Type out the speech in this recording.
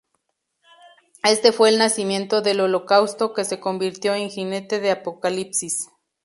Este fue el nacimiento del Holocausto, que se convirtió en Jinete de Apocalipsis.